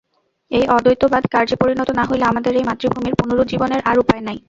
এই অদ্বৈতবাদ কার্যে পরিণত না হইলে আমাদের এই মাতৃভূমির পুনরুজ্জীবনের আর উপায় নাই।